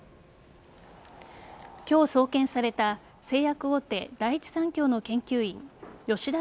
今日送検された製薬大手・第一三共の研究員吉田